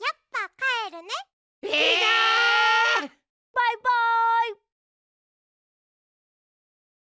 バイバイ。